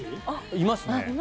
いますね。